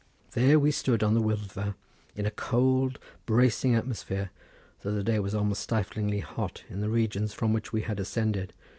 There we stood on the Wyddfa, in a cold bracing atmosphere, though the day was almost stiflingly hot in the regions from which we had ascended.